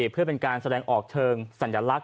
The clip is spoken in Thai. เพื่อเป็นการแสดงออกเชิงสัญลักษณ